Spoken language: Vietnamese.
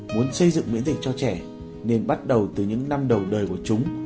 muốn xây dựng miễn dịch cho trẻ nên bắt đầu từ những năm đầu đời của chúng